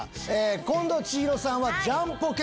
近藤千尋さんは「ジャンポケ」